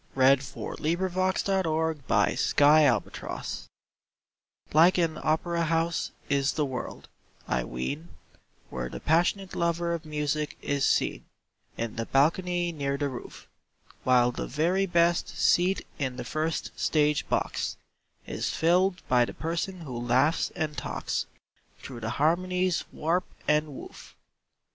Ah! not alone are sun kissed summits fair. LIFE'S OPERA Like an opera house is the world, I ween, Where the passionate lover of music is seen In the balcony near the roof: While the very best seat in the first stage box Is filled by the person who laughs and talks Through the harmony's warp and woof.